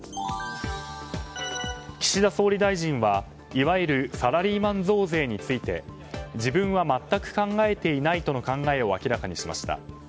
岸田総理大臣は、いわゆるサラリーマン増税について自分は全く考えていないとの考えを明らかにしました。